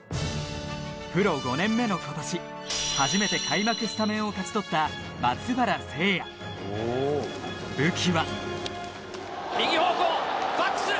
プロ５年目の今年初めて開幕スタメンを勝ち取った松原聖弥武器は右方向バックする！